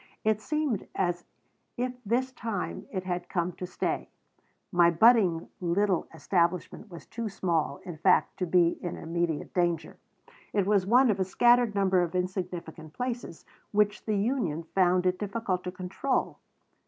It seemed as if this time it had come to stay. My budding little establishment was too small, in fact, to be in immediate danger. It was one of a scattered number of insignificant places which the union found it difficult to control.